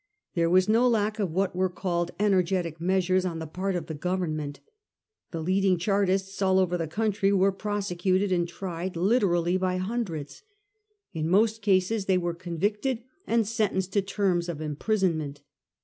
There was no lack of what were called energetic measures on the part of the Government. The leading Char tists all over the country were .prosecuted and tried, literally by hundreds. In most cases they were con victed and sentenced to terms of imprisonment.